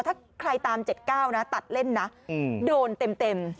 ถ้าใครตาม๗๙นะตัดเล่นนะโดนเต็ม